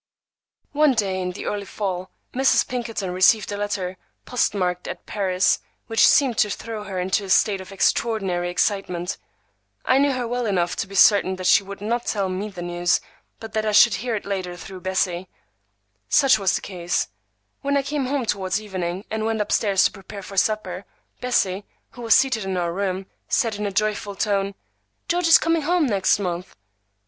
One day in the early fall, Mrs. Pinkerton received a letter postmarked at Paris, which seemed to throw her into a state of extraordinary excitement. I knew her well enough to be certain that she would not tell me the news, but that I should hear it later through Bessie. Such was the case. When I came home towards evening and went up stairs to prepare for supper, Bessie, who was seated in our room, said in a joyful tone,— "George is coming home next month!"